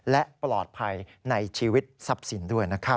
และปลอดภัยในชีวิตทรัพย์สินด้วยนะครับ